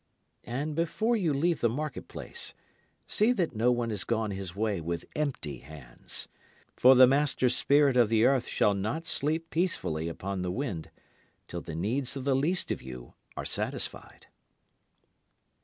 And before you leave the market place, see that no one has gone his way with empty hands. For the master spirit of the earth shall not sleep peacefully upon the wind till the needs of the least of you are satisfied.